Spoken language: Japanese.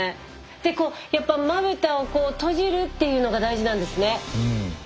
でこうやっぱまぶたを閉じるっていうのが大事なんですね。